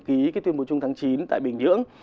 ký cái tuyên bố chung tháng chín tại bình nhưỡng